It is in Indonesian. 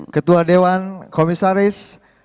ketua dewan komisaris